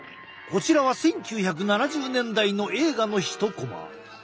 こちらは１９７０年代の映画の一コマ。